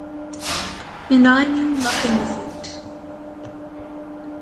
And I knew nothing of it!